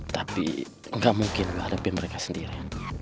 tapi gak mungkin lah lebih mereka sendiri